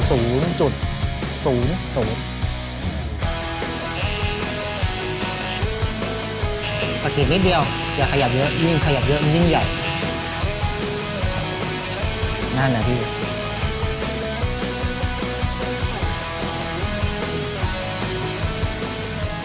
ตอนนี้เราใช้เบอร์๐๐๐